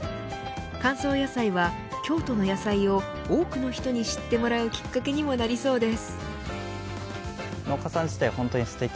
乾燥野菜は、京都の野菜を多くの人に知ってもらうきっかけにもなりそうです。